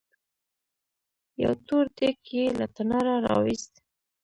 يو تور دېګ يې له تناره راوېست.